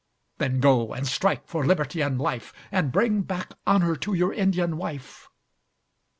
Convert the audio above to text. Then go and strike for liberty and life, And bring back honour to your Indian wife.